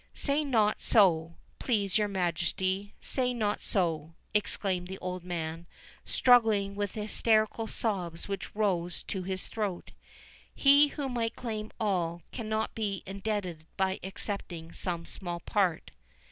"Say not so, please your Majesty, say not so," exclaimed the old man, struggling with the hysterical sobs which rose to his throat. "He who might claim all, cannot become indebted by accepting some small part."